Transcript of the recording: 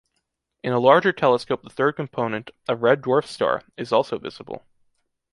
In a larger telescope the third component, a red dwarf star, is also visible.